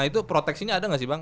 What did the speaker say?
nah itu proteksinya ada gak sih bang